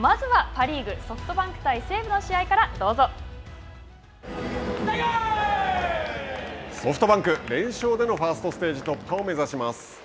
まずはパ・リーグソフトバンク対ソフトバンク、連勝でのファーストステージ突破を目指します。